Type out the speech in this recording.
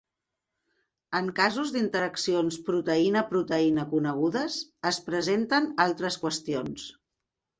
En casos d'interaccions proteïna-proteïna conegudes, es presenten altres qüestions.